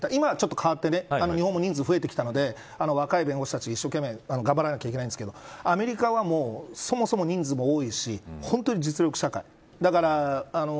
今はちょっとかわって日本も人数が増えてきたので若い弁護士たち、一生懸命頑張らないといけないんですけどアメリカは、そもそも人数も多いし本当に実力社会。